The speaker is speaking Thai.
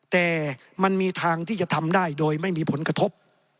แต่มันมีทางที่จะทำได้โดยไม่มีผลกระทบ